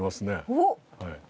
おっ！